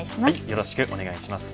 よろしくお願いします。